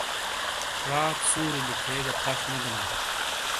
رات سُوری لکھے گہ پھش نے بینا۔